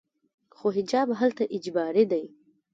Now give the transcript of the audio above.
خو حجاب هلته اجباري دی.